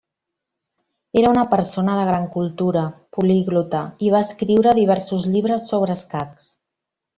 Era una persona de gran cultura, poliglota, i va escriure diversos llibres sobre escacs.